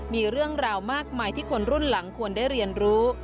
มีเรื่องราวมากมายที่คนรุ่นหลังควรได้เรียนรู้